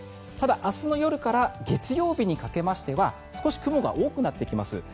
ただ、明日の夜から月曜日にかけては少し雲が多くなってきます。